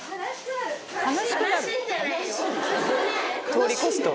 通り越すと？